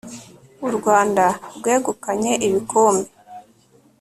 u rwanda rwegukanye ibikombe